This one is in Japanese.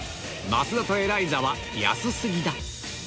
増田とエライザは安過ぎだ